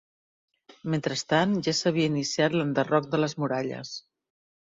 Mentrestant, ja s'havia iniciat l'enderroc de les muralles.